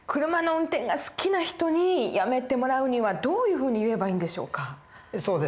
車の運転が好きな人にやめてもらうにはどういうふうに言えばいいんでしょうか？